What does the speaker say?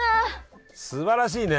すばらしいね。